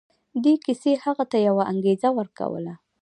دې کيسې هغه ته يوه انګېزه ورکوله.